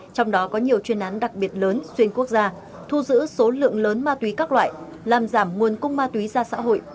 trong đó có nhiều chuyên án đặc biệt lớn xuyên quốc gia thu giữ số lượng lớn ma túy các loại làm giảm nguồn cung ma túy ra xã hội